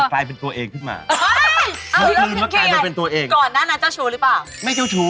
ก็เป็นบทค่อนข้างเจ้าชู้